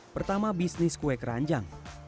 pertama bisnis kue keranjang